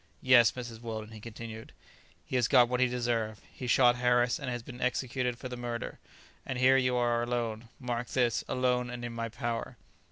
"Yes, Mrs. Weldon," he continued; "he has got what he deserved; he shot Harris, and has been executed for the murder. And here you are alone! mark this! alone and in my power!"